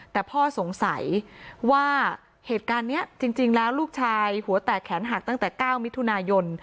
แต่พ่อสงสัยว่าเหตุการณ์นี้จริงแล้วลูกชายหัวแตกแขนหักตั้งแต่๙มิถุนายน